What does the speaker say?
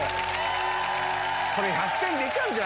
これ、１００点出ちゃうんじ